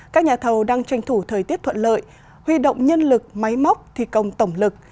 các nhà thầu đang tranh thủ thời tiết thuận lợi huy động nhân lực máy móc thi công tổng lực